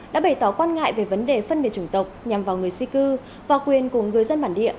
đã bày tỏ quan ngại về vấn đề phân biệt chủng tộc nhằm vào người di cư và quyền của người dân bản địa